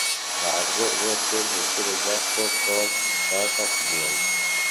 Ntabwo rwose ntekereza ko Tom ashaka kugenda